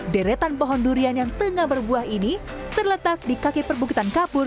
deretan pohon durian yang tengah berbuah ini terletak di kaki perbukitan kapur